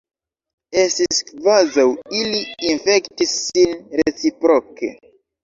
Estis kvazaŭ ili infektis sin reciproke.